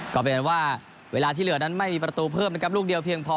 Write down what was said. ก็เป็นว่าเวลาที่เหลือนั้นไม่มีประตูเพิ่มนะครับลูกเดียวเพียงพอ